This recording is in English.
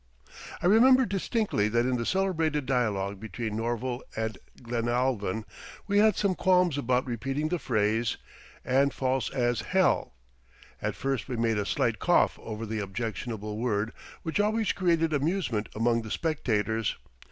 I remember distinctly that in the celebrated dialogue between Norval and Glenalvon we had some qualms about repeating the phrase, "and false as hell." At first we made a slight cough over the objectionable word which always created amusement among the spectators.